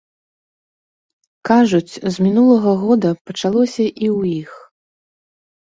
Кажуць, з мінулага года пачалося і ў іх.